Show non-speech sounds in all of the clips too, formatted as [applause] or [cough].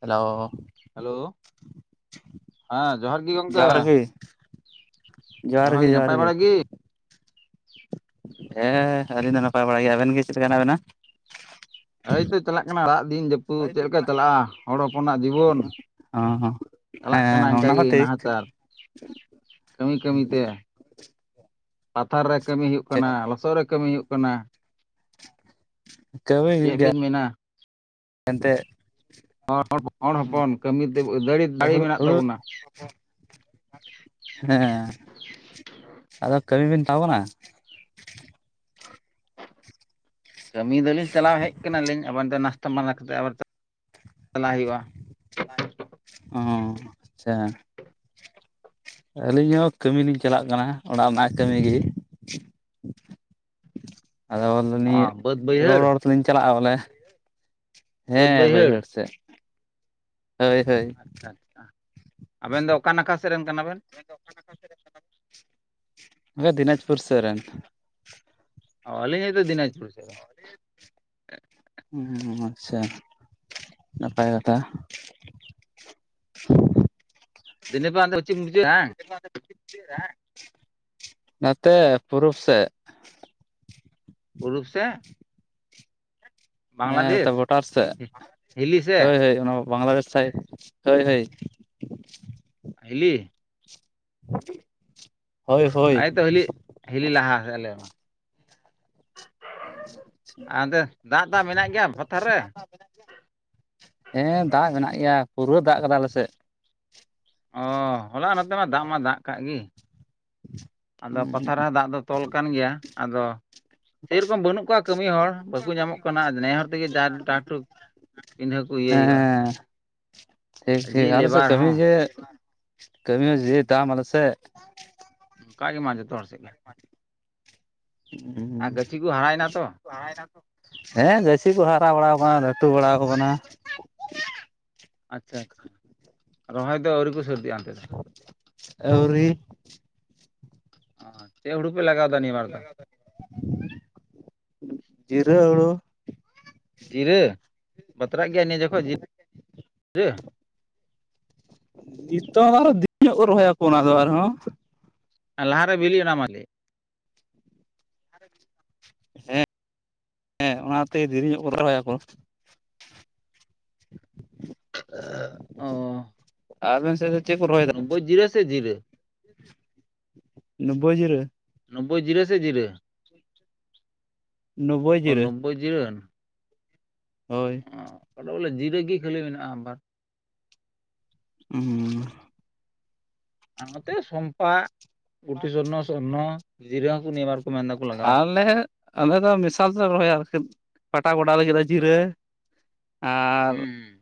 Hello hello ᱦᱮᱸ ᱡᱚᱦᱟᱨ ᱜᱮ ᱜᱚᱢᱠᱮ ᱡᱚᱦᱟᱨ ᱜᱮ ᱡᱚᱦᱟᱨ ᱱᱟᱯᱟᱭ ᱵᱟᱲᱟ ᱜᱮ ᱦᱮᱸ ᱟᱹᱞᱤᱧ ᱫᱚ ᱱᱟᱯᱟᱭ ᱵᱟᱲᱟᱭ ᱜᱮᱭᱟ ᱟᱵᱮᱱ ᱜᱮ ᱪᱮᱫ ᱞᱮᱠᱟ ᱦᱮᱱᱟᱜ ᱵᱮᱱᱟ ᱮᱭᱛᱚ ᱪᱟᱞᱟᱜ ᱠᱟᱱᱟ ᱨᱟᱜ ᱫᱤᱱ ᱡᱟᱹᱯᱩᱫ ᱪᱮᱫ ᱞᱮᱠᱟ ᱪᱟᱞᱟᱜ-ᱟ ᱦᱚᱲ ᱦᱚᱯᱚᱱᱟᱜ ᱡᱤᱵᱚᱱ ᱦᱚᱸ ᱦᱚᱸ ᱪᱟᱞᱟᱜ ᱠᱟᱱᱟ ᱦᱮᱸ ᱚᱱᱟ ᱦᱚᱸ ᱚᱱᱠᱟᱜᱮ ᱴᱷᱤᱠ ᱱᱟᱦᱟᱪᱟᱨ ᱠᱟᱹᱢᱤ ᱠᱟᱹᱢᱤᱛᱮ ᱯᱟᱛᱷᱟᱨ ᱨᱮ ᱠᱟᱹᱢᱤ ᱦᱩᱭᱩᱜ ᱠᱟᱱᱟ ᱞᱚᱥᱚᱫ ᱨᱮ ᱠᱟᱹᱢᱤ ᱦᱩᱭᱩᱜ ᱠᱟᱱᱟ ᱪᱮᱫ ᱵᱤᱱ ᱢᱮᱱᱟ ᱮᱱᱛᱮ ᱦᱚᱲ ᱦᱚᱯᱚᱱ ᱠᱟᱹᱢᱤ ᱛᱮ ᱫᱟᱲᱮ ᱫᱟᱲᱮ ᱦᱩᱲᱩ ᱢᱮᱱᱟᱜ ᱦᱩᱲᱩ ᱛᱟᱵᱚᱱᱟ ᱦᱮᱸ ᱟᱫᱚ ᱠᱟᱹᱢᱤ ᱵᱤᱱ ᱦᱟᱛᱟᱣ ᱠᱟᱱᱟ? ᱠᱟᱹᱢᱤ ᱫᱚᱞᱤᱧ ᱪᱟᱞᱟᱣ ᱦᱮᱡ ᱠᱟᱱᱟ ᱞᱤᱧ, ᱟᱵᱟᱨ ᱫᱚ ᱱᱟᱥᱛᱟ ᱢᱟᱞᱟ ᱠᱟᱛᱮ ᱟᱵᱟᱨ ᱪᱟᱞᱟᱜ ᱦᱩᱭᱩᱜᱼᱟ ᱚ ᱟᱪᱪᱷᱟ [inaudible] ᱟᱹᱞᱤᱧ ᱦᱚᱸ ᱠᱟᱹᱢᱤ ᱞᱤᱧ ᱪᱟᱞᱟᱜ ᱠᱟᱱᱟ ᱚᱲᱟᱜ ᱨᱮᱱᱟᱜ ᱠᱟᱹᱢᱤ ᱜᱮ᱾ [inaudible] ᱟᱫᱚ ᱚ ᱱᱤᱭᱟᱹ ᱵᱟᱹᱫ ᱵᱟᱹᱭᱦᱟᱹᱲ ᱨᱚᱨᱚᱲ ᱞᱤᱧ ᱪᱟᱞᱟᱜᱼᱟ ᱵᱚᱞᱮ ᱦᱮᱸ ᱵᱟᱹᱭᱦᱟᱹᱲ ᱥᱮᱫ᱾ ᱦᱳᱭ ᱦᱳᱭ ᱟᱪᱪᱷᱟ ᱟᱪᱪᱷᱟ ᱟᱵᱮᱱ ᱫᱚ ᱚᱠᱟ ᱱᱟᱠᱷᱟ ᱥᱮᱫ ᱨᱮᱱ ᱠᱟᱱᱟ ᱵᱮᱱ [unintelligible] ᱫᱤᱱᱟᱡᱽᱯᱩᱨ ᱥᱮᱜᱨᱮ ᱟᱹᱞᱤᱧ ᱦᱚᱛᱚ ᱫᱤᱱᱟᱡᱽᱯᱩᱨ ᱥᱮᱫ᱾ ᱨᱮᱱ ᱦᱩᱸ ᱟᱪᱪᱷᱟ ᱱᱟᱯᱟᱭ ᱠᱟᱛᱷᱟ᱾ [unintelligible] [unintelligible] ᱱᱚᱛᱮ ᱯᱩᱨᱩᱵ ᱥᱮᱫ ᱦᱩᱲᱩ ᱥᱮ ᱦᱮᱸ ᱱᱚᱛᱮ ᱵᱚᱰᱟᱨ ᱥᱮᱫ᱾ ᱦᱮᱸ, ᱦᱤᱞᱤ ᱥᱮᱫ ᱦᱳᱭ ᱦᱳᱭ ᱚᱱᱟ ᱵᱟᱝᱞᱟᱫᱮᱥ ᱥᱟᱭᱤᱰ᱾ ᱦᱳᱭ ᱦᱳᱭ᱾ ᱦᱤᱞᱤ [inaudible] ᱟᱡ ᱦᱳᱭ ᱫᱚ ᱦᱤᱞᱤ᱾ ᱦᱤᱞᱤ ᱞᱟᱦᱟ ᱠᱟᱜ ᱟᱞᱮ ᱢᱟ᱾ ᱟᱫᱚ ᱫᱟᱜ-ᱫᱟᱜ ᱢᱮᱱᱟᱜ ᱜᱮᱭᱟ ᱯᱟᱛᱷᱟᱨ ᱨᱮ᱾ ᱦᱮᱸ ᱫᱟᱜ ᱢᱮᱱᱟᱜ ᱜᱮᱭᱟ ᱯᱩᱨᱟᱹ ᱫᱟᱜ ᱠᱟᱫᱟ ᱟᱞᱮᱥᱮᱫ? ᱚᱻ ᱦᱚᱞᱟ ᱱᱚᱛᱮ ᱢᱟ ᱫᱟᱜ ᱢᱟ ᱫᱟᱜ ᱠᱟᱜ ᱜᱮ᱾ ᱟᱫᱚ ᱯᱟᱛᱟ ᱨᱮᱦᱚᱸ ᱫᱟᱜ ᱫᱚ ᱛᱚᱞ ᱠᱟᱱ ᱜᱮᱭᱟ ᱟᱫᱚ ᱥᱮᱨᱚᱠᱚᱢ ᱵᱟᱹᱱᱩᱜ ᱠᱚᱣᱟ ᱠᱟᱹᱢᱤ ᱦᱚᱲ ᱵᱟᱠᱚ ᱧᱟᱢᱚᱜ ᱠᱟᱱᱟ ᱱᱮ ᱦᱚᱲ ᱛᱮᱜᱮ ᱡᱟ ᱴᱟᱠᱴᱩᱠ ᱤᱱᱟᱹ ᱠᱚ ᱤᱭᱟᱹᱭ ᱦᱩᱭᱩᱜᱼᱟ᱾ ᱦᱮᱸ ᱴᱷᱤᱠ ᱡᱮ ᱴᱷᱤᱠ ᱟᱞᱮ ᱥᱮ ᱞᱮᱵᱟᱨ ᱠᱟᱹᱢᱤ ᱦᱚᱸ ᱡᱮ ᱠᱟᱹᱢᱤ ᱦᱚᱸ ᱡᱮ ᱫᱟᱢ ᱟᱞᱮ ᱥᱮᱫ᱾ ᱚᱱᱠᱟ ᱜᱮ ᱢᱟ ᱡᱚᱛᱚ ᱦᱚᱲ ᱥᱮᱫ ᱜᱮ ᱟᱪᱪᱷᱟ ᱟᱨ ᱜᱟᱹᱪᱷᱤ ᱠᱚ ᱦᱟᱨᱟᱭᱮᱱᱟ ᱛᱚ? [unintelligible] ᱦᱮᱸ ᱜᱟᱹᱪᱷᱤ ᱠᱚ ᱦᱟᱨᱟ ᱵᱟᱲᱟᱣ ᱠᱟᱱᱟ ᱞᱟᱹᱴᱩ ᱵᱟᱲᱟ ᱠᱚ ᱠᱟᱱᱟ᱾ ᱟᱪᱪᱷᱟ ᱟᱪᱪᱷᱟ᱾ ᱨᱚᱦᱚᱭ ᱫᱚ ᱟᱹᱣᱨᱤ ᱠᱚ ᱥᱟᱨᱫᱤᱜ-ᱟ? ᱟᱣᱨᱤ᱾ ᱪᱮᱫ ᱦᱩᱲᱩ ᱯᱮ ᱞᱟᱜᱟᱣ ᱫᱟ ᱱᱤᱭᱟᱹᱵᱟᱨ ᱫᱚ? ᱡᱤᱨᱟᱹᱣ ᱟᱲᱳ ᱡᱤᱨᱟᱹ ᱵᱟᱛᱨᱟᱜ ᱜᱮᱭᱟ ᱱᱤᱭᱟᱹ ᱡᱚᱠᱷᱚᱱ ᱡᱤᱨᱟᱹ ᱡᱤᱨᱟᱹ ᱱᱤᱛᱚᱜ ᱫᱚ ᱟᱨᱦᱚᱸ ᱫᱤᱱ ᱧᱚᱜ ᱠᱚ ᱨᱚᱦᱚᱭᱟᱠᱚ ᱚᱱᱟ ᱫᱚ ᱟᱨᱦᱚᱸ᱾ ᱟᱨ ᱞᱟᱦᱟ ᱨᱮ ᱵᱤᱞᱤᱜ ᱚᱱᱟ ᱠᱤ? [inaudible] ᱦᱮᱸ ᱦᱮᱸ ᱚᱱᱟᱛᱮ ᱫᱤᱨᱤ ᱧᱚᱜ ᱠᱚ ᱨᱚᱦᱚᱭᱟᱠᱚ᱾ [inaudible] ᱟᱜ ᱚ ᱟᱵᱮᱱ ᱥᱮᱫ ᱫᱚ ᱪᱮᱫ ᱠᱚ ᱨᱚᱦᱚᱭᱮᱫᱟ ᱱᱳᱵᱵᱳᱭ ᱡᱤᱨᱟᱹ ᱥᱮ ᱡᱤᱨᱟᱹ ᱱᱳᱵᱽᱵᱚᱭ ᱡᱤᱨᱟᱹ ᱱᱳᱵᱽᱵᱳᱭ ᱡᱤᱨᱟᱹ ᱥᱮ ᱡᱤᱨᱟᱹ᱾ ᱱᱚᱵᱽᱵᱳᱭ ᱡᱤᱨᱟᱹ᱾ ᱵᱳ ᱡᱤᱭᱟᱹᱱ ᱦᱳᱭ᱾ ᱚ ᱚᱸᱰᱮ ᱵᱚᱞᱮ ᱡᱤᱨᱟᱹᱜ ᱜᱮ ᱠᱷᱟᱹᱞᱤ ᱢᱮᱱᱟᱜ-ᱟ ᱵᱟ ᱚᱸᱻ ᱟᱨ ᱱᱚᱛᱮ ᱥᱚᱢᱯᱟᱜ, ᱜᱩᱴᱤ ᱥᱚᱨᱱᱚ, ᱥᱚᱨᱱᱚ ᱡᱤᱨᱟᱹᱝ, ᱥᱩᱱᱤᱣᱟᱨ ᱟᱞᱮ ᱟᱞᱮ ᱫᱚ ᱢᱤᱥᱟᱞ ᱛᱮᱞᱮ ᱨᱚᱦᱚᱭᱟ ᱟᱨ ᱯᱟᱴᱟ ᱜᱚᱰᱟ ᱞᱟᱹᱜᱤᱫ ᱫᱚ ᱡᱤᱨᱟᱹ᱾ ᱟᱨ ᱦᱩᱸ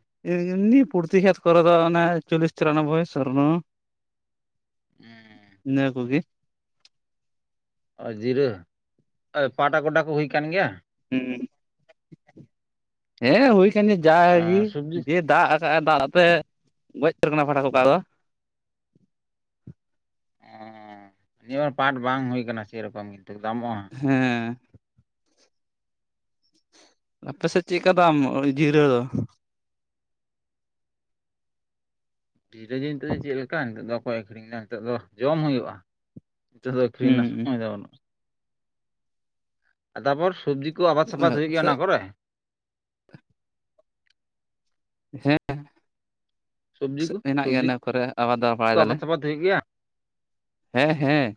ᱮᱢᱱᱤ ᱯᱨᱩᱛᱤ ᱠᱷᱮᱛ ᱠᱚᱨᱮ ᱫᱚ ᱚᱱᱟ ᱪᱚᱞᱞᱤᱥ ᱪᱚᱨᱚᱱᱟᱵᱷᱚᱭᱮᱥ ᱥᱚᱨᱱᱚ᱾ ᱦᱩᱸ᱾ ᱤᱱᱟ ᱠᱚ ᱜᱮ᱾ ᱚ ᱡᱤᱨᱟᱹ ᱯᱟᱴᱟ ᱜᱳᱰᱟ ᱠᱚ ᱦᱩᱭ ᱟᱠᱟᱱ ᱜᱮᱭᱟ᱾ ᱦᱩᱸ ᱦᱮᱸ ᱦᱩᱭ ᱠᱟᱱ ᱜᱮ ᱡᱟᱜᱮ ᱟᱨ ᱥᱚᱵᱽᱡᱤ ᱡᱮ ᱫᱟᱜ ᱫᱟᱜ ᱫᱟᱜᱛᱮ ᱜᱚᱡ ᱩᱛᱟᱹᱨ ᱠᱟᱱᱟ ᱯᱷᱟᱴᱟ ᱠᱚ ᱚᱠᱟ ᱫᱚ᱾ ᱚ ᱱᱤᱭᱟᱹ ᱵᱟᱨ ᱯᱟᱴ ᱵᱟᱝ ᱦᱩᱭ ᱟᱠᱟᱱᱟ ᱥᱮᱨᱚᱠᱚᱢ ᱠᱤᱱᱛᱩ ᱫᱟᱢᱚᱜ-ᱟ᱾ ᱦᱮᱸ᱾ ᱟᱯᱮ ᱥᱮᱫ ᱪᱮᱫ ᱠᱟᱫᱟᱢ ᱡᱤᱨᱟᱹ? ᱡᱤᱨᱟᱹ [unintelligible] ᱡᱤᱱᱤᱛ ᱫᱚ ᱪᱮᱫ ᱞᱮᱠᱟ ᱱᱤᱛᱚᱜ ᱫᱚ ᱵᱟᱠᱚ ᱟᱹᱠᱷᱨᱤᱧ ᱮᱫᱟ ᱱᱤᱛᱚᱜ ᱫᱚ ᱡᱚᱢ ᱦᱩᱭᱩᱜ-ᱟ ᱱᱤᱛᱚᱜ ᱫᱚ ᱟᱹᱠᱷᱨᱤᱧ ᱨᱮᱱᱟᱜ ᱦᱩᱸ ᱥᱚᱢᱚᱭ ᱵᱟᱹᱱᱩᱜ-ᱟ ᱛᱟᱯᱚᱨ ᱥᱚᱵᱽᱡᱤ ᱠᱚ ᱟᱵᱟᱫ ᱥᱟᱵᱟᱫ ᱦᱩᱭᱩᱜ ᱜᱮᱭᱟ ᱚᱱᱟ ᱠᱚᱨᱮ ᱦᱮᱸ ᱥᱚᱵᱽᱡᱤ ᱠᱚ ᱢᱮᱱᱟᱜ ᱜᱮᱭᱟ ᱥᱚᱵᱽᱡᱤ ᱤᱱᱟᱹ ᱠᱚᱨᱮ ᱟᱵᱟᱫᱟᱣ ᱵᱟᱲᱟᱭ ᱠᱚ ᱫᱟᱞᱮ ᱟᱵᱟᱫ ᱥᱟᱵᱟᱫ ᱦᱩᱭᱩᱜ ᱜᱮᱭᱟ ᱦᱮᱸ ᱦᱮᱸ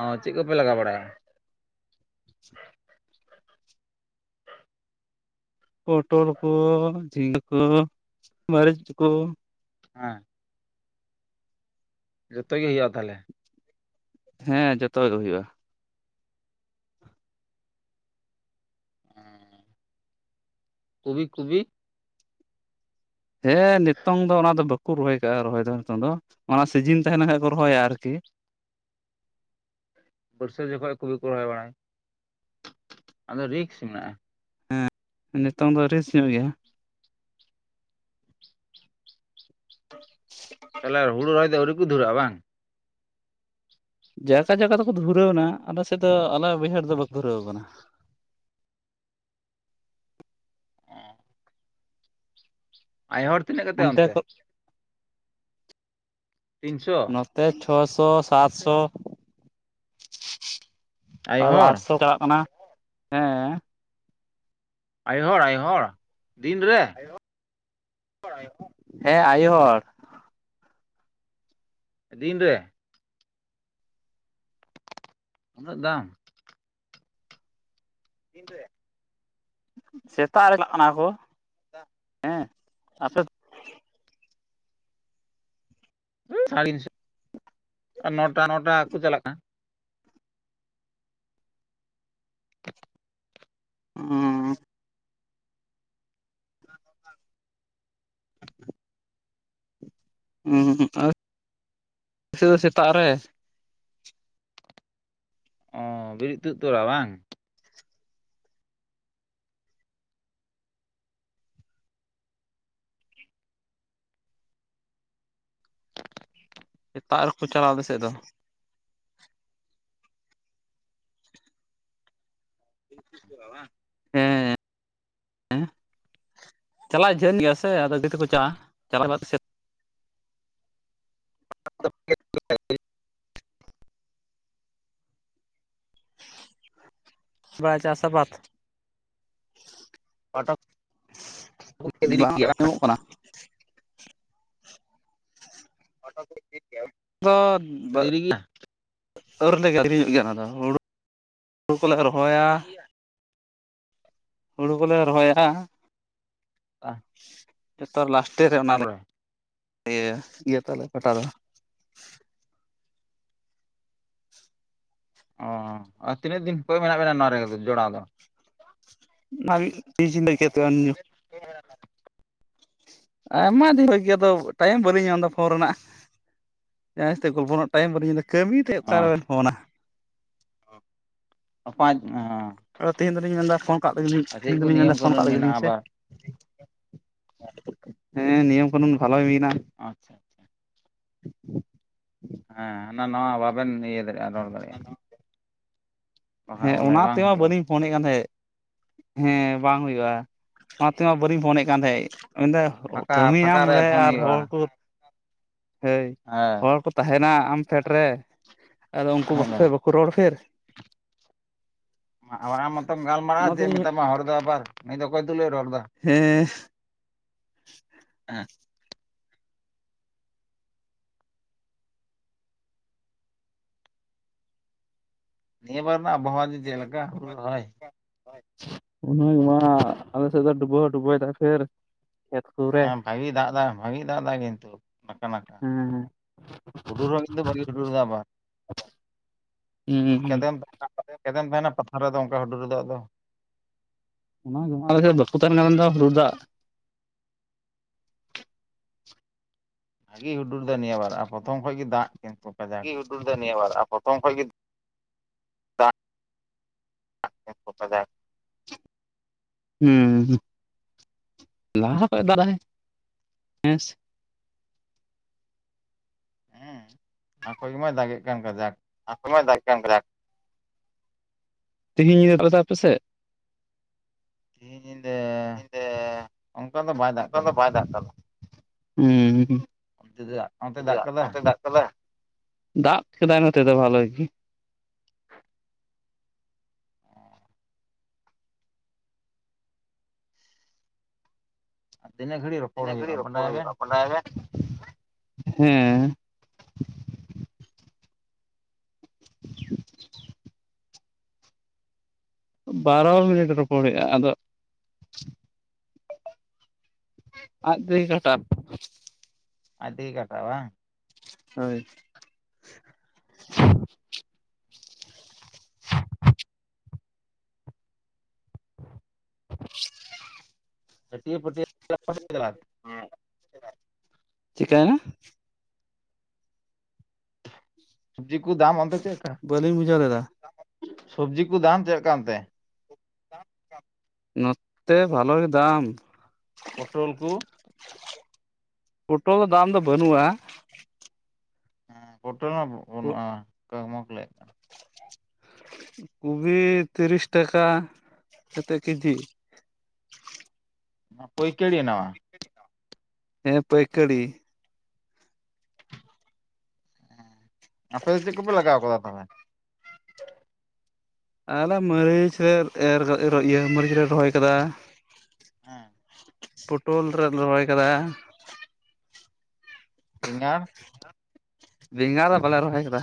ᱚ ᱪᱮᱫ ᱠᱚᱯᱮ ᱞᱟᱜᱟᱣ ᱵᱟᱲᱟᱭᱟ ᱯᱚᱴᱚᱞ ᱠᱚ ᱡᱷᱤᱸᱜᱟᱹ ᱠᱚ ᱢᱟᱹᱨᱤᱪ ᱠᱚ ᱦᱮᱸ ᱡᱚᱛᱚ ᱜᱮ ᱦᱩᱭᱩᱜ-ᱟ ᱛᱟᱦᱚᱞᱮ ᱦᱮᱸ ᱡᱚᱛᱚ ᱜᱮ ᱦᱩᱭᱩᱜ-ᱟ ᱦᱚᱸ ᱠᱚᱵᱤ ᱠᱚᱵᱤ ᱦᱮᱸ ᱱᱤᱛᱚᱝ ᱫᱚ ᱚᱱᱟ ᱫᱚ ᱵᱟᱠᱚ ᱨᱚᱦᱚᱭ ᱠᱟᱜ-ᱟ ᱨᱚᱦᱚᱭ ᱫᱚ ᱱᱤᱛᱚᱝ ᱫᱚ ᱚᱱᱟ ᱥᱤᱡᱤᱱ ᱛᱟᱦᱮᱸ ᱞᱮᱱ ᱠᱷᱟᱱᱡ ᱠᱚ ᱨᱚᱦᱚᱭᱟ ᱟᱨᱠᱤ ᱵᱟᱹᱨᱥᱟᱹ ᱡᱚᱠᱷᱚᱡ ᱠᱩᱞᱩ ᱠᱚ ᱨᱚᱦᱚᱭ ᱵᱟᱲᱟᱭ᱾ ᱟᱫᱚ ᱨᱤᱠᱥ ᱢᱮᱱᱟᱜ-ᱟ᱾ ᱦᱮᱸ ᱱᱤᱛᱚᱝ ᱫᱚ ᱨᱮᱥ ᱧᱚᱜ ᱜᱮᱭᱟ᱾ ᱛᱟᱦᱚᱞᱮ ᱦᱩᱲᱩ ᱨᱚᱦᱚᱭ ᱫᱚ ᱟᱣᱨᱤ ᱠᱚ ᱫᱷᱩᱨᱟᱹᱜ-ᱟ ᱵᱟᱝ? ᱡᱟᱭᱥᱟ ᱡᱟᱜᱟ ᱫᱚᱠᱚ ᱫᱷᱩᱨᱟᱹᱣ ᱮᱱᱟ᱾ ᱟᱞᱮ ᱥᱮᱫ ᱫᱚ ᱟᱞᱮ ᱵᱟᱹᱭᱦᱟᱹᱲ ᱫᱚ ᱵᱟᱠᱚ ᱫᱷᱩᱨᱟᱹᱣ ᱟᱠᱟᱱᱟ᱾ ᱟᱭᱳ ᱦᱚᱲ ᱛᱤᱱᱟᱹᱜ ᱠᱟᱛᱮ ᱚᱱᱛᱮ? ᱛᱤᱱᱥᱚ ᱛᱮ ᱪᱷᱚᱥᱚ ᱥᱟᱛᱥᱚ ᱟᱭ ᱟᱫᱚ ᱦᱚᱲ ᱟᱴᱥᱚ ᱪᱟᱞᱟᱜ ᱠᱟᱱᱟ ᱦᱮᱸ ᱟᱭᱳ ᱦᱚᱲ ᱟᱭᱳ ᱦᱚᱲ ᱫᱤᱱᱨᱮ [unintelligible] ᱦᱮᱸ ᱟᱭᱳ ᱦᱚᱲ ᱫᱤᱱ ᱨᱮ ᱩᱱᱟᱹᱜ ᱫᱟᱢ ᱥᱮᱛᱟᱜ ᱨᱮ ᱪᱟᱞᱟᱜ ᱠᱟᱱᱟ ᱠᱚ᱾ ᱦᱮᱸ ᱟᱯᱮ [inaudible] ᱥᱟᱲᱥᱚ [inaudible] ᱟᱨ ᱱᱚᱴᱟ ᱱᱚᱴᱟ ᱠᱚ ᱪᱟᱞᱟᱜ ᱠᱟᱱᱟ ᱚᱸ ᱦᱩᱸ ᱟᱨ ᱥᱩᱫᱩ ᱥᱮᱛᱟᱜ ᱨᱮ ᱚᱻ ᱵᱤᱨᱤᱫ ᱛᱩᱫ ᱛᱚᱨᱟ ᱵᱟᱝ ᱥᱮᱛᱟᱜ ᱨᱮᱠᱚ ᱪᱟᱞᱟᱣ ᱟᱞᱮ ᱥᱮᱫ ᱫᱚ ᱦᱮᱸ ᱦᱮᱸ [inaudible] ᱪᱟᱞᱟᱜ ᱡᱷᱟᱹᱞ ᱜᱮᱭᱟ ᱥᱮ ᱟᱫᱚ ᱪᱮᱫ ᱛᱮ ᱠᱚ ᱪᱟᱜᱼᱟ ᱪᱟᱞᱟᱜ [unintelligible] ᱵᱟᱭ ᱪᱟᱥ ᱟᱵᱟᱛ ᱯᱟᱴᱟ ᱫᱮᱨᱤ ᱵᱟᱝ ᱜᱮᱭᱟ ᱟᱡᱚᱢᱚᱜ ᱠᱟᱱᱟ ᱫᱮᱨᱤ ᱜᱮᱭᱟ [unintelligible] ᱟᱹᱣᱨᱞᱮ ᱟᱹᱠᱷᱨᱤᱧᱚᱜ ᱜᱮᱭᱟ ᱚᱱᱟᱫᱚ ᱦᱩᱲᱩ ᱦᱩᱲᱩ ᱠᱚᱞᱮ ᱨᱚᱦᱚᱭᱟ᱾ ᱦᱩᱲᱩ ᱠᱚᱞᱮ ᱨᱚᱦᱚᱭᱟ ᱡᱚᱛᱚ ᱞᱟᱥᱴᱮ ᱨᱮ ᱚᱱᱟᱞᱮ ᱛᱟᱯᱚᱨᱮ ᱤᱭᱟᱹᱭᱟ ᱤᱭᱟᱹ ᱛᱟᱞᱮ ᱯᱟᱴᱟ ᱫᱚ᱾ ᱚ ᱟᱨ ᱛᱤᱱᱟᱹᱜ ᱫᱤᱱ ᱯᱚᱨᱮ ᱢᱮᱱᱟᱜ ᱵᱮᱱᱟ ᱱᱚᱣᱟ ᱨᱮ ᱡᱚᱲᱟᱣ ᱫᱚ᱾ [unintelligible] ᱟᱭᱢᱟ ᱫᱤᱱ ᱠᱷᱚᱡ ᱜᱮ ᱟᱫᱚ ᱴᱟᱭᱤᱢ ᱵᱟᱹᱞᱤᱧ ᱧᱟᱢ ᱮᱫᱟ ᱯᱷᱳᱱ ᱨᱮᱱᱟᱜ ᱡᱟᱦᱟᱸᱭ ᱥᱟᱣ ᱛᱮ ᱜᱚᱞᱯᱚ ᱴᱟᱭᱤᱢ ᱵᱟᱹᱞᱤᱧ ᱧᱟᱢ ᱠᱟᱹᱢᱤᱛᱮ ᱚᱠᱟᱨᱮᱵᱮᱱ ᱯᱷᱳᱱᱟ᱾ ᱯᱟᱸᱪ ᱟᱫᱚ ᱛᱮᱦᱮᱧ ᱫᱚᱞᱤᱧ ᱢᱮᱱᱫᱟ ᱯᱷᱳᱱ ᱠᱟᱜ ᱞᱮᱜᱮᱞᱤᱧ ᱪᱮᱫ ᱛᱮᱦᱤᱧ ᱠᱚ ᱫᱚᱞᱤᱧ ᱢᱮᱱ ᱱᱤᱭᱚᱢ ᱮᱫᱟ ᱯᱷᱳᱱ ᱠᱟᱜ ᱠᱟᱹᱱᱩᱱ ᱢᱮᱱᱟᱜᱼᱟ ᱞᱮᱜᱮᱞᱤᱧ ᱥᱮ ᱟᱵᱟᱨ ᱦᱮᱸ ᱱᱤᱭᱚᱢ ᱠᱟᱹᱱᱩᱱ ᱵᱷᱟᱞᱚᱭ ᱦᱩᱭᱱᱟ ᱟᱪᱪᱷᱟ ᱦᱮᱸ ᱦᱟᱱᱟ ᱱᱚᱣᱟ ᱵᱟᱵᱮᱱ ᱤᱭᱟᱹ ᱫᱟᱲᱮᱭᱟᱜᱼᱟ ᱨᱚᱲ ᱫᱟᱲᱮᱭᱟᱜᱼᱟ᱾ ᱵᱟᱠᱷᱟᱡ ᱦᱮᱸ ᱵᱚᱞᱮ ᱚᱱᱟ ᱵᱟᱝ ᱛᱮᱢᱟ ᱦᱩᱭᱩᱜᱼᱟ ᱵᱟᱹᱞᱤᱧ ᱯᱷᱳᱱᱮᱫ ᱠᱟᱱ ᱛᱟᱦᱮᱸᱫ᱾ ᱦᱮᱸ ᱵᱟᱝ ᱦᱩᱭᱩᱜᱼᱟ, ᱚᱱᱟᱛᱮᱢᱟ ᱵᱟᱹᱞᱤᱧ ᱯᱷᱳᱱᱮᱫ ᱠᱟᱱ ᱛᱟᱦᱮᱸᱫ, ᱢᱮᱱᱫᱟ ᱯᱷᱟᱸᱠᱟ ᱯᱷᱟᱸᱠᱟ ᱠᱟᱹᱢᱤᱭᱟᱢ ᱨᱮ ᱯᱷᱳᱱ ᱟᱨ ᱦᱩᱭᱩᱜᱼᱟ ᱦᱚᱲ ᱠᱚ ᱦᱳᱭ ᱦᱮᱸ ᱦᱚᱲ ᱠᱚ ᱛᱟᱦᱮᱱᱟ ᱟᱢᱯᱷᱮᱰ ᱨᱮ ᱟᱫᱚ ᱩᱱᱠᱩ ᱵᱟᱠᱷᱟᱡ ᱵᱟᱠᱷ ᱫᱚ ᱵᱟᱠᱚ ᱨᱚᱲᱯᱷᱤᱨ? ᱢᱟ ᱟᱢ ᱢᱚᱛᱚᱢ ᱚᱱᱟ ᱜᱟᱞᱢᱟᱨᱟᱜᱼᱟ ᱡᱮ ᱛᱮᱞᱤᱧ ᱢᱮᱛᱟᱢᱟ ᱦᱚᱲᱚᱲ ᱫᱚ ᱟᱵᱟᱨ ᱱᱩᱭ ᱫᱚ ᱚᱠᱚᱭ ᱛᱩᱞᱟᱹᱭ ᱨᱚᱲ ᱫᱟ? ᱦᱮᱸ [inaudible] ᱦᱮᱸ ᱱᱤᱭᱟᱹ ᱵᱟᱨ [unintelligible] ᱤᱭᱟᱹ ᱟᱢᱟ ᱦᱩᱲᱩ ᱵᱟᱵᱟᱭ ᱨᱚᱦᱚᱭ ᱩᱱᱟᱹᱜ ᱢᱟ ᱟᱞᱮ ᱥᱮ ᱰᱩᱵᱳ ᱰᱩᱵᱳ ᱯᱷᱮᱨ ᱠᱚᱨᱮ ᱦᱮᱸ ᱵᱷᱟᱜᱤ ᱫᱟᱜ ᱮᱫᱟ ᱵᱷᱟᱜᱤ ᱫᱟᱜ ᱮᱫᱟ ᱠᱤᱱᱛᱩ [unintelligible] ᱦᱮᱸ ᱦᱩᱰᱩᱨ ᱦᱚᱸ ᱠᱤᱱ ᱫᱚ ᱵᱟᱹᱤᱧ ᱦᱩᱰᱩᱨᱫᱟ ᱟᱵᱟᱨ᱾ ᱦᱩᱸ ᱦᱩᱸ ᱠᱮᱫᱮᱢ ᱠᱮᱫᱮᱢ ᱛᱟᱦᱮᱱᱟ ᱪᱠᱟᱢ ᱛᱟᱦᱮᱱᱟ ᱯᱟᱛᱷᱟ ᱨᱮᱫᱚ ᱚᱱᱠᱟ ᱦᱩᱰᱩᱨ ᱨᱮ ᱫᱟᱜ ᱫᱚ [unintelligible] ᱵᱟᱠᱩ ᱛᱟᱦᱮᱱ ᱠᱷᱟᱱ ᱫᱚ [unintelligible] ᱵᱷᱟᱜᱤ ᱦᱩᱰᱩᱨ ᱮᱫᱟᱭ ᱱᱤᱭᱟᱹ ᱵᱟᱨ ᱟᱨ ᱯᱨᱚᱛᱷᱚᱢ ᱠᱷᱚᱡ ᱜᱮ ᱫᱟᱜ ᱠᱤᱱᱛᱩ ᱠᱟᱡᱟᱠ ᱟᱹᱰᱤ ᱦᱩᱰᱩᱨ ᱮᱫᱟᱭ ᱱᱤᱭᱟᱹ ᱵᱟᱨ ᱟᱨ ᱯᱨᱚᱛᱷᱚᱢ ᱠᱷᱚᱱ ᱜᱮ [inaudible] ᱦᱩᱸ ᱞᱟᱦᱟ ᱠᱷᱚᱱᱚᱡ ᱫᱟᱜᱟᱭ ᱦᱮᱸᱥᱮ᱾ ᱦᱮᱸ ᱟᱠᱚᱭ ᱢᱟᱭ ᱫᱟᱜᱮᱜ ᱠᱟᱱ ᱠᱟᱡᱟᱠ᱾ ᱱᱚᱛᱮ ᱢᱟᱭ [unintelligible] ᱛᱮᱤᱦᱤᱧ ᱧᱤᱫᱟ ᱫᱟᱜ ᱮᱫᱟᱣ ᱟᱯᱮᱥᱮᱫ? ᱛᱤᱦᱤᱧ ᱧᱤᱫᱟᱹ ᱧᱤᱫᱟᱹ ᱚᱱᱠᱟ ᱫᱚ ᱵᱟᱭ ᱫᱟᱜ ᱚᱱᱠᱟ ᱫᱚ ᱟᱠᱟᱫᱟ ᱵᱟᱭ ᱫᱟᱜ ᱟᱫ᱾ ᱦᱩᱸ [unintelligible] ᱚᱱᱛᱮ ᱫᱟᱜ ᱚᱱᱛᱮ ᱫᱟᱜ ᱠᱟᱫᱟ ᱱᱚᱛᱮ ᱫᱟᱜ ᱠᱟᱫᱟ? ᱫᱟᱜ ᱠᱮᱫᱟᱭ ᱱᱚᱛᱮᱫ ᱫᱚ ᱵᱷᱟᱞᱮ ᱜᱤ᱾ [unintelligible] ᱟᱨ ᱛᱤᱱᱟᱹᱜ ᱜᱟᱹᱲᱤ ᱨᱚ ᱛᱤᱱᱟᱮ ᱜᱷᱟᱹᱲᱤᱪ ᱨᱚᱯᱲ ᱦᱩᱭᱩᱜᱼᱟ [unintelligible] ᱦᱮᱸ ᱵᱟᱨᱚ ᱢᱤᱱᱤᱴ ᱨᱚᱯᱚᱲ ᱦᱩᱭᱩᱜᱼᱟ᱾ ᱟᱫᱚ ᱟᱡ ᱛᱮᱜᱮ ᱜᱷᱟᱴᱟᱵ ᱟᱡ ᱛᱮᱜᱮ ᱠᱟᱴᱟ ᱟ ᱵᱟᱝ ᱦᱟᱹᱭ [inaudible] ᱴᱟᱴᱤᱭᱮ ᱯᱚᱴᱮᱫ ᱪᱤᱠᱟᱹᱭᱱᱟ? ᱥᱚᱵᱽᱡᱤ ᱠᱚ ᱫᱟᱢ ᱚᱱᱛᱮ ᱪᱮᱫ ᱞᱮᱠᱟ? ᱵᱟᱹᱞᱤᱧ ᱵᱩᱡᱷᱟᱹᱣ ᱞᱮᱫᱟ ᱥᱚᱵᱡᱤ ᱠᱚ ᱫᱟᱢ ᱪᱮᱫ ᱞᱮᱠᱟ ᱚᱱᱛᱮ? ᱴᱟᱯ-ᱴᱟᱯ ᱱᱚᱛᱛᱮ ᱵᱷᱟᱞᱚ ᱜᱮ ᱫᱟᱢ ᱯᱚᱴᱚᱞ ᱠᱚ ᱯᱚᱴᱚᱞ ᱫᱟᱢ ᱫᱚ ᱵᱟᱹᱱᱩᱜᱼᱟ ᱦᱮᱸ ᱯᱚᱴᱳᱞ ᱢᱟ ᱵᱟᱹᱱᱩᱜᱼᱟ ᱠᱚᱢ ᱠᱚ ᱞᱟᱹᱭᱮᱫ ᱠᱟᱱ ᱠᱩᱵᱤ ᱛᱤᱨᱤᱥ ᱴᱟᱠᱟ ᱠᱟᱛᱮᱫ ᱠᱮᱡᱤ ᱯᱟᱹᱭ ᱠᱟᱹᱲᱤᱱᱟ ᱪᱤᱱᱟᱜ ᱦᱮᱸ ᱯᱟᱹᱭᱠᱟᱹᱲᱤ ᱟᱯᱮ ᱫᱚ ᱪᱮᱫ ᱠᱚᱯᱮ ᱞᱟᱜᱟᱣ ᱠᱟᱫᱟ ᱛᱚᱵᱮ ᱟᱞᱮ ᱢᱟᱹᱨᱤᱪ ᱞᱮ ᱮᱨ ᱤᱭᱟᱹ ᱢᱟᱹᱨᱤᱪ ᱞᱮ ᱨᱚᱦᱚᱭ ᱠᱟᱫᱟ᱾ ᱦᱮᱸ ᱯᱚᱴᱳᱞ ᱨᱮ ᱨᱚᱦᱚᱭ ᱠᱟᱫᱟ, ᱵᱮᱸᱜᱟᱲ ᱵᱮᱸᱜᱟᱲ ᱫᱚ ᱵᱟᱞᱮ ᱨᱚᱦᱚᱭ ᱠᱟᱫᱟ᱾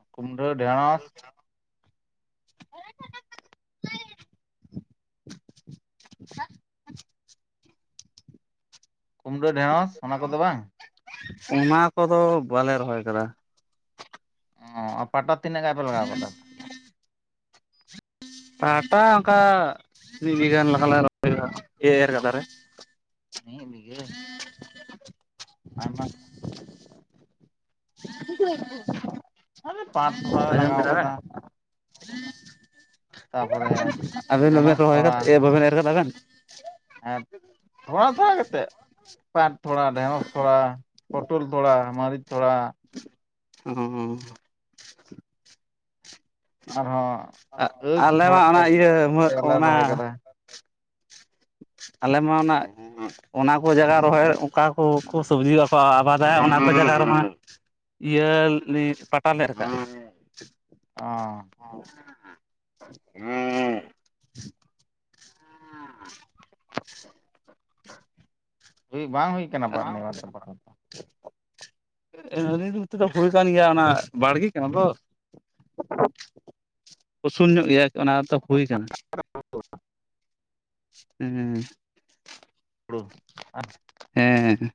ᱚ ᱠᱩᱢᱰᱟ ᱰᱷᱮᱬᱚᱥ ᱠᱩᱢᱲᱟᱹ ᱰᱷᱮᱸᱲᱚᱥ ᱚᱱᱟ ᱠᱚᱫᱚ ᱵᱟᱝ? ᱚᱱᱟ ᱠᱚᱫᱚ ᱵᱟᱞᱮ ᱨᱚᱦᱚᱭ ᱠᱟᱫᱟ ᱾ ᱚ ᱟᱨ ᱯᱟᱴᱟ ᱛᱤᱱᱟᱹᱜ ᱜᱟᱱ ᱯᱮ ᱞᱟᱜᱟᱣ ᱠᱟᱫᱟ? ᱯᱟᱴᱟ ᱚᱝᱠᱟ ᱢᱤᱫ ᱵᱤᱜᱷᱟ ᱜᱟᱱ ᱞᱮᱠᱟ ᱞᱟᱝ ᱨᱚᱦᱚᱭᱟ ᱮ ᱮᱨ ᱜᱟᱫᱟ ᱨᱮ ᱢᱤᱫ ᱵᱤᱜᱷᱟᱹ ᱟᱭᱢᱟ [unintelligible] [inaudible] ᱯᱟᱨ ᱟᱡᱚᱢ ᱠᱮᱫᱟ ᱵᱮᱱ? ᱛᱟᱯᱚᱨᱮ ᱟᱵᱮᱱ ᱵᱟᱵᱮᱱ ᱰᱷᱮᱸᱲᱚᱥ ᱨᱚᱦᱚᱭ ᱛᱷᱚᱲᱟ ᱠᱟᱫᱟ, ᱮ ᱵᱟᱵᱮᱱ ᱮᱨ ᱠᱟᱫᱟ ᱵᱮᱱ? ᱦᱮᱸ [unintelligible] [unintelligible] ᱠᱟᱛᱮᱫ ᱯᱟᱴ ᱛᱷᱚᱲᱟ, ᱰᱷᱮᱸᱲᱚᱥ ᱛᱷᱚᱲᱟ, ᱯᱚᱴᱚᱞ ᱛᱷᱚᱲ, ᱟ ᱢᱟᱹᱨᱤᱪ ᱛᱷᱚᱲᱟ ᱦᱚᱸ ᱦᱚᱸ ᱦᱚᱸ ᱟᱨᱦᱚᱸ ᱟᱠᱷ ᱟᱞᱮ ᱢᱟ ᱚᱱᱟ ᱛᱷᱚᱲᱟᱜᱟᱱ ᱤᱭᱟᱹ ᱤᱛᱟᱹ ᱞᱮ ᱨᱚᱦᱚᱭ ᱚᱱᱟ ᱠᱟᱫᱟ ᱟᱞᱮ ᱢᱟ ᱚᱱᱟ ᱚᱱᱟ ᱠᱚ ᱡᱟᱭᱜᱟ ᱨᱮᱚᱦᱚᱭ ᱚᱠᱟ ᱠᱚᱠᱚ ᱥᱚᱵᱡᱤ ᱠᱚ ᱟᱵᱟᱫᱟᱟᱭ ᱚᱱᱟ ᱠᱚ ᱡᱟᱭᱜᱟ ᱨᱮᱢᱟ, ᱤᱭᱟᱹ ᱯᱟᱴᱟ ᱞᱮ ᱨᱟᱠᱟᱵ ᱫᱟ ᱚ [inaudible] ᱦᱩᱸ ᱦᱩᱸ ᱦᱩᱭ ᱵᱟᱝ ᱦᱩᱭ ᱟᱠᱟᱱᱟ ᱱᱮ ᱵᱟᱨ ᱯᱟᱛᱟ ᱫᱚ [unintelligible] ᱟᱹᱱᱟᱨᱤ ᱩᱛᱩ ᱫᱚ ᱦᱩᱭ ᱠᱟᱱ ᱜᱮᱭᱟ ᱚᱱᱟ ᱵᱟᱲᱜᱤ ᱠᱟᱱᱟ ᱛᱚ ᱩᱥᱩᱞ ᱧᱚᱜ ᱜᱮᱭᱟ ᱚᱱᱟ ᱫᱚ ᱦᱩᱭ ᱠᱟᱱᱟ ᱾ ᱦᱮᱸ ᱦᱩᱲᱩ ᱟᱨ ᱦᱮᱸ